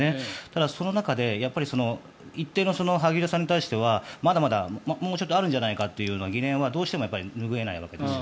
ただ、その中で一定の萩生田さんに対してはまだまだ、もうちょっとあるんじゃないかという疑念はどうしてもやっぱり拭えないわけです。